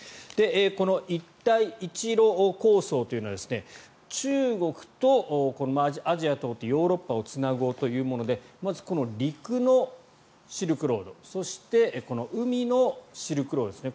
この一帯一路構想というのは中国と、アジアを通ってヨーロッパをつなごうというものでまず陸のシルクロードそして海のシルクロードですね。